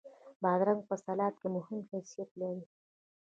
بادرنګ په سلاد کې مهم حیثیت لري.